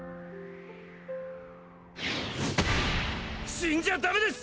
死んじゃダメです！